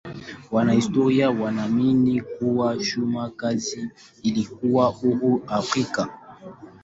Wanahistoria wanaamini kuwa chuma kazi ilikuwa huru Afrika.